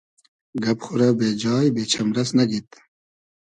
گئب خورۂ بې جای , بې چئمرئس نئگید